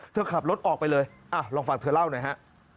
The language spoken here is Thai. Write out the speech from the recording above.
ขับรถออกไปเลยลองฟังเธอเล่าหน่อยฮะ